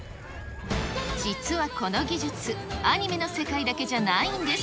実はこの技術、アニメの世界だけじゃないんです。